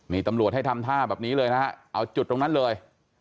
นี่ตำรวจให้ทำท่าแบบนี้เลยนะฮะเอาจุดตรงนั้นเลย